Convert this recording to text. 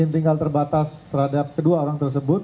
tinggal terbatas terhadap kedua orang tersebut